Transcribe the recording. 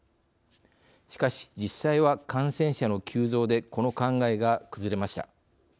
しかし、実際は感染者の急増でこの考えが崩れました。